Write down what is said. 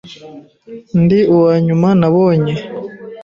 Ndi uwanyuma nabonye .